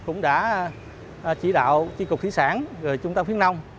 cũng đã chỉ đạo chính cục thủy sản rồi trung tâm phía nông